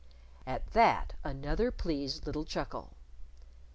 At that, another pleased little chuckle.